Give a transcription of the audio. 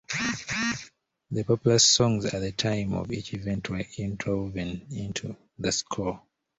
The popular songs at the time of each event were interwoven into the score.